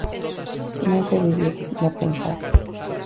Me hace vivir, no pensar.